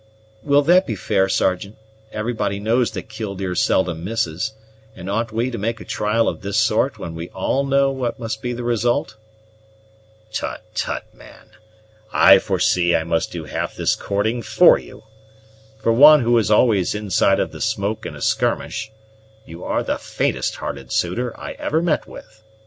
"Will that be fair, Sergeant? Everybody knows that Killdeer seldom misses; and ought we to make a trial of this sort when we all know what must be the result?" "Tut, tut, man! I foresee I must do half this courting for you. For one who is always inside of the smoke in a skirmish, you are the faintest hearted suitor I ever met with.